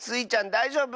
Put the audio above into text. だいじょうぶ？